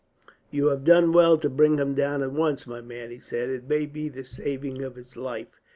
"You have done well to bring him down at once, my man," he said. "It may be the saving of his life."